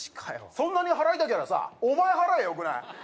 そんなに払いたけりゃさお前払やよくない？